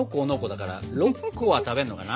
だから６個は食べるのかな。